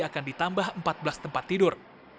akan ditambah empat belas tempat tidur